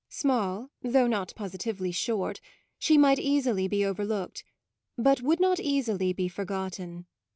Small, though not positively short, she might easily be overlooked, but would not easily be forgotten.